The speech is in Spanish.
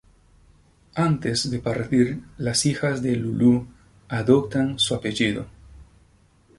Antes de partir las hijas de Lulú adoptan su apellido.